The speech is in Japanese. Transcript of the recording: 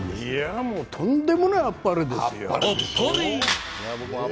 ああ、もうとんでもないあっぱれですよ。